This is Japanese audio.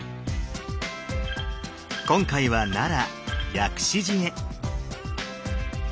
今回は奈良薬師寺へ。